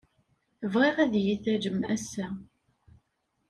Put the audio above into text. Bɣiɣ ad iyi-tallem ass-a.